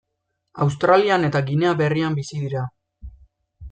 Australian eta Ginea Berrian bizi dira.